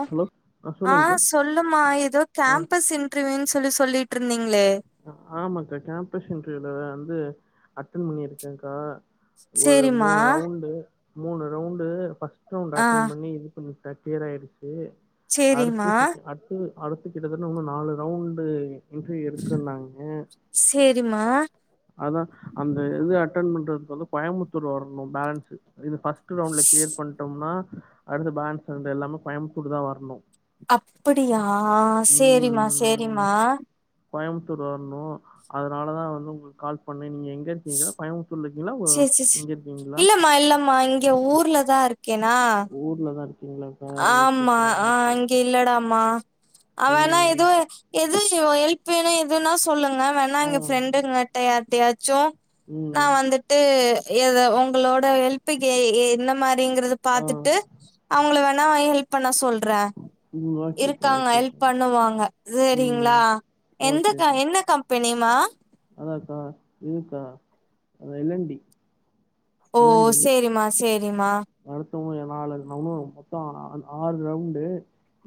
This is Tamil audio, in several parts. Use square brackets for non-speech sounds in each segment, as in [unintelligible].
அ ஹலோ ஆ சொல்லுங்க்கா சொல்லுமா எதோ ஆ கேம்பஸ் இன்டர்வியூன்னு சொல்லி சொல்லீட்ருந்தீங்களே அ ஆமாக்கா கேம்பஸ் இன்ட்டர்வியூல வந்து அட்டன் பண்ணியிருக்கங்கா ஒரு சேரிமா மூணு ரவுண்டு மூணு ரவுண்டு பஸ்ட் ரவுண்டு ஆ அட்டன் பண்ணி இது பண்ணிப்ட்ட கிளியர் ஆயிருச்சு அடுத்து சேரிமா செட் அடுத்து அடுத்து கிட்டத்தட்ட உன்னு நாலு ரவுண்டு இன்டர்வியூ க்குன்னாங்க சேரிமா அதுதா அந்த இது அட்டன் பண்றதுக்கு வந்து கோயம்புத்தூர் வரணு பேலன்ஸு இது பஸ்ட் ஃபஸ்டு ரவுண்டுல கிளியர் பண்ட்டம்ன்னா அடுத்து பேன்ஸ் வந்து எல்லாமே கோயம்பத்தூர் தா வரணு அப்படியா சேரிமா சேரிம்மா கோயமுத்தூர் வரணு அதனால தா வந்து உங்களுக்கு கால் பண்ணே நீங்க எங்க இருக்கீங்க கோயம்புத்தூர்ல இருக்கீங்களா ஓ, சேர் சே ஸ் இங்க இருக்கீங்களா இல்லமா இல்லமா இங்க ஊர்ல தா இருக்கேனா ஊர்ல தா இரு ஆம்மா ஆ இங்க இல்லடாமா அவனா ம் எது எது ஹெல்ப் வேணு எதுன்னா சொல்லுங்க வேணா ஆ இங்க ப்ரெண்டுங்கட்ட யார்ட்டயாச்சு நா ம் வந்துட் ட்டு எதோ உங்களோட ஹெல்ப்புக் கே என்னமார் அப்டிங்கறது ஆ பாத்துட்டு அவங்கள வேணா ஹெல்ப் பண்ண சொல்ற ம் ஓகேக்கா இருக்காங்க ஹெல்ப் ஓகேக்கா பண்ணுவாங்க ம் செரிங்களா எந்த க ஓகேக்கா என்ன கம் பெனிமா அதாக்கா இதுக்கா அது எல் என் டி ஓ சேரிம்மா சேரிம்மா அடுத்துங்க [unintelligible] மொத்தோ அன் ஆறு ரவுண்டு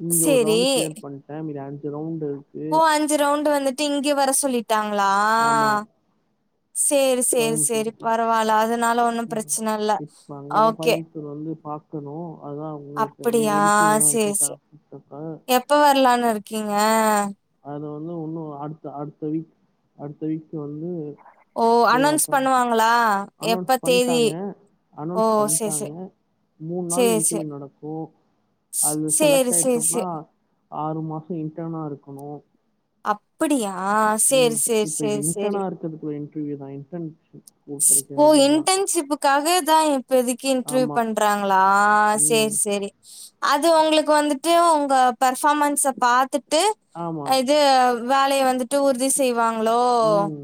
இங்க ஒரு சேரி ரவுண்டு க்ளியர் பண் [unintelligible] அஞ்சு ரவுண்டு இருக்கு ஓ அஞ்சு ரவுண்டு வந்துட்டு இங்க வர சொல்லிட்டாங்களா ஆமா சேரி சேரி சேரி கோயம்புத்தூருக்கு பரவால அதனால ஒன்னு பிரச்சன இல்ல ஓகே இது வந்து பாக்கணு அதுதா உங்கள்ட்ட நீங்க அப்படியா இருக்கீங்களான்னு சேரி கேக்க தா சேரி கூப்ட்ட எப்ப வரலான்னு இருக்கீங்க அதுல வந்து ஒன்னு அடுத்த அடுத்த வீக் அடுத்த வீக் வந்து ஓ போய் அனௌன்ஸ் அட்டன் பண்ணுவாங்களா அனௌன்ஸ் எப்ப தேதி பண்ட்டாங்க ஓ அனௌன்ஸ் சேரி சேரி பண்ட்டாங்க மூண் நாள் சேரி சேரி இன்டர்வியூ நடக்கு அது சேரி செலக்ட் சேரி ஆயிட்டம்ன்னா சேரி ஆறு மாசோ இன்டர்னா இருக்கணு அப்படியா ம் சேரி சேரி இப்ப இது சேரி சேரி [unintelligible] இன்டர்வியூ நா இன்டர்ன்ஷிப் ஓ கெடைக்கிறதுதா இன்டர்ன்ஷிப்புக்காக தா இப்பதிக்கு இன்டர்வியூ ஆமா பண்றாங்களா ம் சேர் சேரி அது உங்களுக்கு வந்துட்டு உங்க பர்பாமன்ஸ பாத்துட்டு ஆமா அ இது வேலைய வந்துட்டு உறுதி செய்வாங்களோ ம்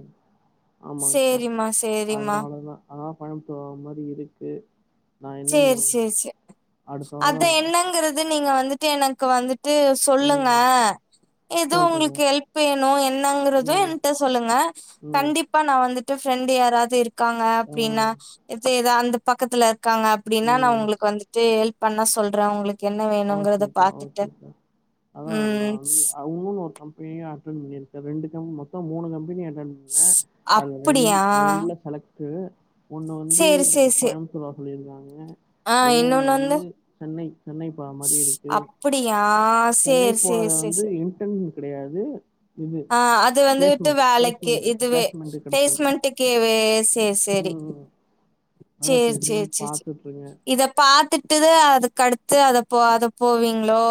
ஆமாங்க்கா சேரிம்மா சேரிம்மா அதனாலதா அதா கோயம்புத்தூர் வர்ற மாரி இருக்கு நா என்னன்னு சேரி சேரி சேரி அடுத்த அத வாரோ என்னங்கறது நீங்க வந்துட்டு எனக்கு வந்துட்டு சொல்லுங்க ம் எதோ சொல்றேங்க உங்களுக்கு ஹெல்ப் வேணு என்னங்கறது ம் என்ட்ட சொல்லுங்க ம் கண்டிப் ண்டிப்பா நான் வந்துட்டு ஃப்ரெண்டு் யாராது இருக்காங்க ஆ அப்படின்னா ஏத் அந்த பக்கத்துல க்காங்க அப்படின்னா நா ம் உங்களுக்கு வந்துட்டு ஹெல்ப் பண்ணா சொல்றே உங்களுக்கு என்ன வேணுங்கறத ஓகேக்கா பாத்துட்டு உ ன்னும் ஒரு கம்பெனிய அட்டன் பண்ணிருக்கே ரெண்டு கம் மொத்தோ மூனு கம்பெனி அட்டன் ண்ணே அது ரெண்டு அப்படியா ரெண்டுல செலக்ட ஒன்னு வந்து சேரி சேரி சே கோயம் பதூர் வர சொல்லியிருக்காங்க ஆ ஒன்னொன்னு இன்னொன்னு வந்து சென்னை சென்னை போற மாரி இருக்கு அப்படியா சென்னை சேரி சேரி போறது சேரி வந்து சே இன்டர்ன் கெடையாது இது ஆ அது வந்துட்டு பிளேஸ்மெண்ட் வேலைக் பிளேஸ்மெண்ட் இதுவே பிளேஸ்மெண்ட் பேஸ்மெண்டுக்குவே எஸ் எஸ் உ சேரி சேரி சேரி சே இருக்கேன் இதப் பாத்துட்டுதா அதுகடுத்து அது போ அத போவீங்களோ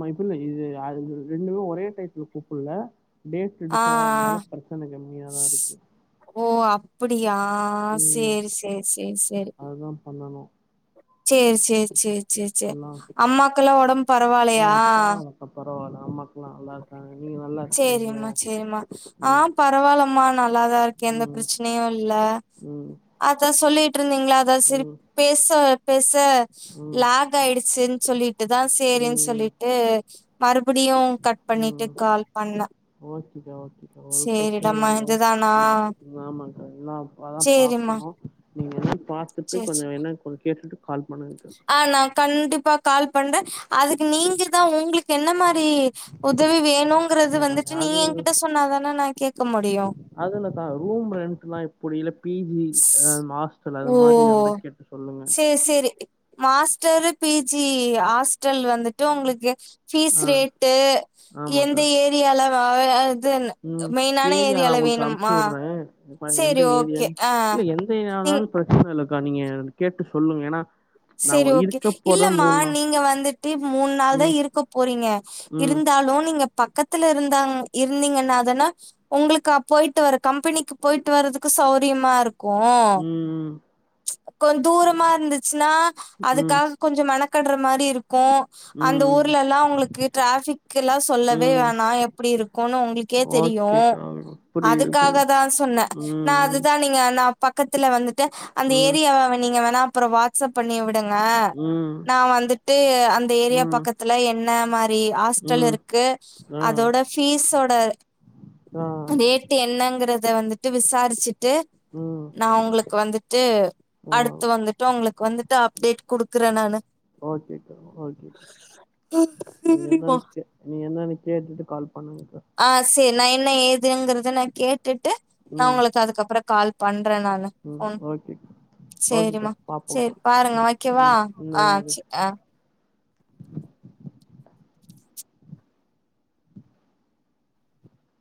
மைப்பு இது அது ரெண்டு ஒரே டைப்ல கூப்ட்டல்ல டேட்ஸ் ஆ எடுக்காதனால பிரச்சனை கம்மியா தா இருக்கு ஓ அப்படியா சேரி சேரி சேரி செரி இதும் பண்ணணு செரி செரி செரி செரி செரி எல்லாம் அம்மாக்க எல்லா உடம் ஆ பரவால்லக்கா பரவால்ல அம்மாகெல்லா நல்லா இருக்காங்க நீங்க நல்லா இருக்கீங்களே செரியம்மா செரிம்மா ஆ ம் பரவாயில்லமா நல்லா தா இருக்கே எந்த ம் பிரச்சனையு இல்ல ம் அதா சொல்லிட்டு இருந்தீங்களா அதா சிரி ம் பேச பேச ம் ல க் ஆயிடுசுன்னு சொல்லிட்டு தா சேரின்னு ம் சொல்லிட்டு மறுபடியு கட் ம் பண்ணிட்டு ம் கால் பண்ண ஓகேக்கா ஓக்கே ஒரு பிரச்சனையு சேரிடாமா இல்ல இதுதானா நா எல்லா அப்பாதா சேரிம்மா பாக்கணும் நீங்க என்னான்னு பாத்துட்டு சேரி கொஞ்சோ சேரி என்னான்னு கேட்டுட்டு கால் பண்ணுங்க ஆ நா கண்டிப்பா கால் பண்றேன் அதுக்கு நீங்க தா உங்களுக்கு என்ன மாரி உதவி வேணுங்கிறது யா வந்துட்டு நீங்க அது என்கிட்ட சொன்னாதானே நா கேக் க்க முடியு அதுல தா ரூம் ரெண்ட்லா இப் புடியில பிஜி மாஸ்டல் அது மாரி இருந்தா கேட்டு சொல்லுங்க ஏ சேரி மாஸ்டரு பிஜி ஹாஸ்டல் வந்துட் உங்களுக்கு ஆ பீஸ்ரேட்டு எந்த ஏரியால இது உ மெயினான ஏரியா நா ஏரியால உங்களுக்கு அமுச்சு வேணுமா டுறே பட் எந்த சேரி ஓகே ஏரியான்னு ஆ இல்ல எந்த நீ ஏரியானாலு பிரச்சன இல்லக்கா நீங்க கேட்டு சொல்லுங்க ஏன்னா நா செரி ஓகே இருக்க போறது இல்லமா மூணு நாள் நீங்க வந்துட்டு மூணு நாள் தா ம் இருக்க போறீங்க ம் இருந்தாலு நீங்க பக்கத்துல இருந்தாங் இருந்தீங்கன்னதான்ன உங்களுக்க போயிட்டு வர கம்பெனிக்கு போயிட்டு வரதுக்கு சௌரியமா இருக் கோ ம் கொஞ்ச தூரமா இருந்துச்சுன்னா ம் ம் அதுக்காக கொஞ்சோ மெனகட்ற மாரி இருக்கு அந்த ம் ஊர்லல்லா உங்களுக்கு டிராபிக் எல்லா சொல்லவே ம் வேணா எப்படி இருக் கோனோ உங்களுகே தெரியு ஓகேக்கா புரியுது அதுக்காக புரியுது தா சொன்னே நா ம் அதுதா நீங்க நா பக்கத்துல வந்துட்டு அந்த ம் ஏரியாவ நீங்க வேணா அப்புற வாக் பண்ணி விடுங்க ம் நா வந்துட்டு அந்த ஏரியா ம் பக்கத்துல என்ன மாரி ரி ஹாஸ்டல் ம் இருக்கு ஆ அதோட பீஸ்சோட ஆ டேட் டு என்னங்கறத வந்துட்டு விசாரிச்சுட்டு ம் நா உங்களுக்கு வந்துட்டு ஆ அடுத்து வந்துட்டு உங்களுக்கு வந்துட்டு அப்டேட் குடுக்குற நானூ ஓகேக்கா ஓகேக்கா ம் நீங்க சேரிமா என்னன்னு கே நீங்க என்னனு கேட்டுட்டு கால் பண்ணுங்ககா ஆ செரி நா என்ன ஏதுங்கறத நா கேட்டுட்டு நா ம் உங்களுக்கு அதுக்கப்பற கால் பண்ற நானு ம் போன் ஓகேக்கா ஓகேக்கா சேரிமா பாப்போக்கா செரி பாருங்க வைக்கவா ம் ம் ஆ வைங்கக்கா ச அ